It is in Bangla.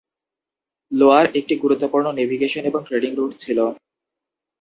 লোয়ার একটি গুরুত্বপূর্ণ নেভিগেশন এবং ট্রেডিং রুট ছিলো।